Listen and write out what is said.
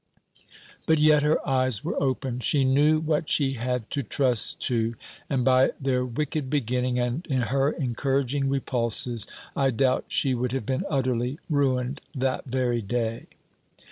But yet her eyes were open; she knew what she had to trust to and by their wicked beginning, and her encouraging repulses, I doubt she would have been utterly ruined that very day."